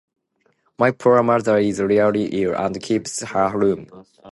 My poor mother is really ill, and keeps her room.